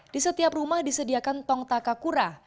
di setiap rumah disediakan tong takakura